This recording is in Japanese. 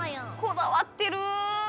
こだわってる。